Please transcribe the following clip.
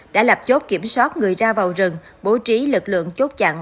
đã lập chốt kiểm soát người ra vào rừng bố trí lực lượng chốt chặn